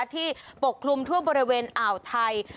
ปกคลุมทั่วบริเวณอ่าวไทย